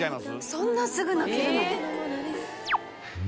そんなすぐ泣けるの⁉